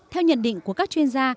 theo nhận định của các chuyên gia